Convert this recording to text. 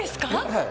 はい。